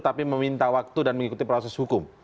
tapi meminta waktu dan mengikuti proses hukum